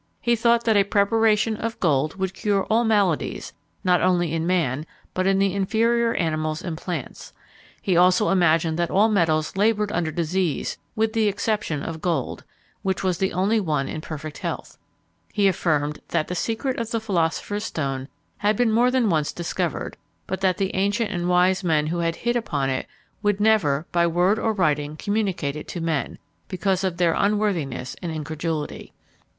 He thought that a preparation of gold would cure all maladies, not only in man, but in the inferior animals and plants. He also imagined that all the metals laboured under disease, with the exception of gold, which was the only one in perfect health. He affirmed, that the secret of the philosopher's stone had been more than once discovered; but that the ancient and wise men who had hit upon it would never, by word or writing, communicate it to men, because of their unworthiness and incredulity.